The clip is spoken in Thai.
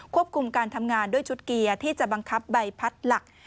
คุมการทำงานด้วยชุดเกียร์ที่จะบังคับใบพัดหลัก